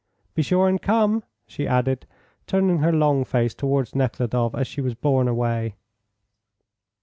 "Be sure and come," she added, turning her long face towards Nekhludoff as she was borne away.